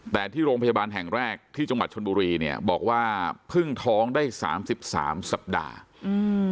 แต่ที่โรงพยาบาลแห่งแรกที่จังหวัดชนบุรีบอกว่าเพิ่งท้องได้๓๓สัปดาห์